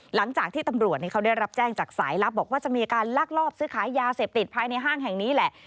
หลังจากที่ตำรวจเขาได้รับแจ้งจากสายลับบอกว่าจะมีการลักลอบซื้อขายยาเสพติดภายในห้างแห่งนี้แหละ